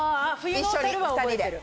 一緒に２人で。